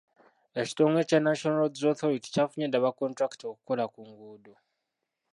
Ekitongole kya Uganda National Roads Authority kyafunye dda ba kontulakita okukola ku nguudo.